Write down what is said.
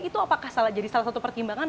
itu apakah salah jadi salah satu pertimbangan